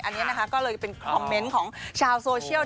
อันนี้นะคะก็เลยเป็นคอมเมนต์ของชาวโซเชียล